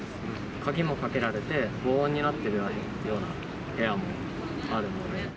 鍵もかけられて、防音になっているような部屋もあるので。